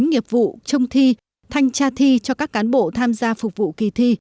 nghiệp vụ trông thi thanh tra thi cho các cán bộ tham gia phục vụ kỳ thi